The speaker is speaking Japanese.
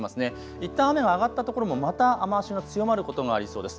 いったん雨は上がったところもまた雨足が強まることもありそうです。